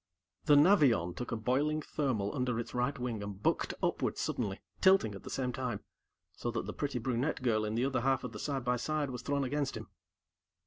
The Navion took a boiling thermal under its right wing and bucked upward suddenly, tilting at the same time, so that the pretty brunette girl in the other half of the side by side was thrown against him.